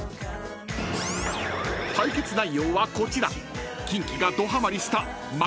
［対決内容はこちら］